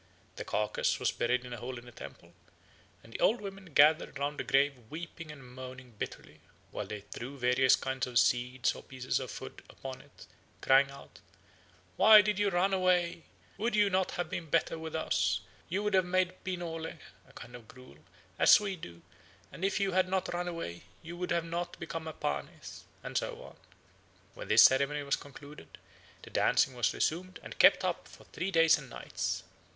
_ The carcase was buried in a hole in the temple, and the old women gathered round the grave weeping and moaning bitterly, while they threw various kinds of seeds or pieces of food on it, crying out, "Why did you run away? Would you not have been better with us? you would have made pinole (a kind of gruel) as we do, and if you had not run away, you would not have become a Panes," and so on. When this ceremony was concluded, the dancing was resumed and kept up for three days and nights.